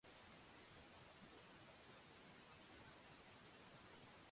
ガラスの内側は真っ暗、明かりは一切ついていない